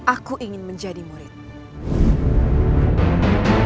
aku ingin menjadi muridmu